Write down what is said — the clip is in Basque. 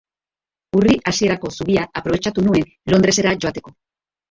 Urri hasierako zubia aprobetxatu nuen Londresera joateko.